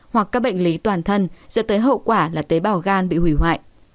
hoặc các bệnh lý toàn thân dẫn tới hậu quả là tế bào gan bị hủy hoại